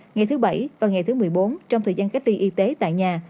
ngày thứ bảy và ngày thứ một mươi bốn trong thời gian cách ly y tế tại nhà